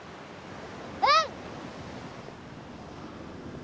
うん！